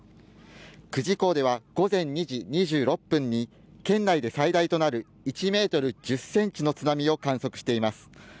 久慈港では、午前２時２６分に県内で最大となる１ｍ１０ｃｍの津波を観測しています。